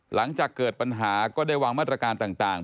หลังจากเกิดปัญหาก็ได้วางมาตรการต่าง